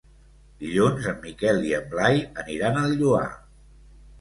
Dilluns en Miquel i en Blai aniran al Lloar.